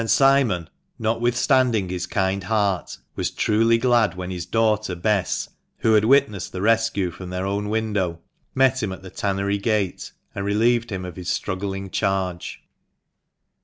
7 Simon, notwithstanding his kind heart, was truly glad when his daughter Bess, who had witnessed the rescue from their own window, met him at the tannery gate, and relieved him of his struggling charge.